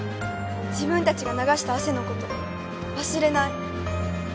自分たちが流した汗のこと忘れない。